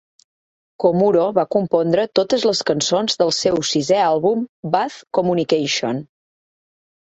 Komuro va compondre totes les cançons del seu sisè àlbum Buzz Communication.